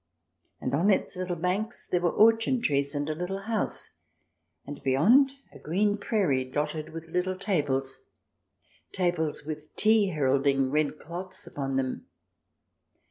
And on its little banks there were orchard trees and a little house, and beyond, a green prairie dotted with little tables — tables with the tea heralding red cloths upon them.